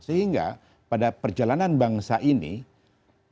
sehingga pada perjalanan bangsa ini